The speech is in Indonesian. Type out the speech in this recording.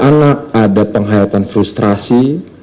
anak ada penghayatan frustrasi